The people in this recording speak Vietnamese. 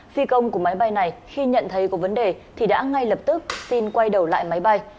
phi công của máy bay này khi nhận thấy có vấn đề thì đã ngay lập tức xin quay đầu lại máy bay